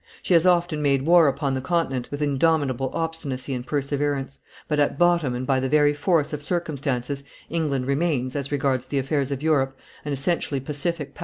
She has often made war upon the Continent with indomitable obstinacy and perseverance; but at bottom and by the very force of circumstances England remains, as regards the affairs of Europe, an essentially pacific power.